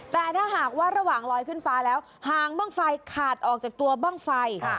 แต่ถ้าหากว่าระหว่างลอยขึ้นฟ้าแล้วหางบ้างไฟขาดออกจากตัวบ้างไฟ